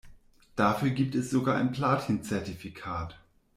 Dafür gibt es sogar ein Platin-Zertifikat.